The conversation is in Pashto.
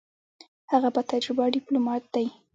هغه با تجربه ډیپلوماټ دی.